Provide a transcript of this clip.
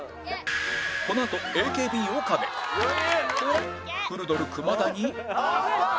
このあと ＡＫＢ 岡部古ドル熊田に